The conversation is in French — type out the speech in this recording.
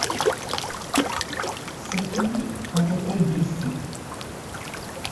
Ses filles ont été blessées.